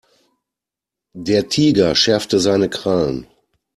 Der Tiger schärfte seine Krallen.